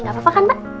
gak apa apa kan mbak